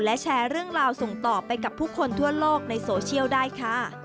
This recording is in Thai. และแชร์เรื่องราวส่งต่อไปกับผู้คนทั่วโลกในโซเชียลได้ค่ะ